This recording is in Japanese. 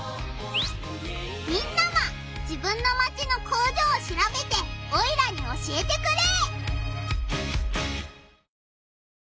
みんなも自分のマチの工場をしらべてオイラに教えてくれ！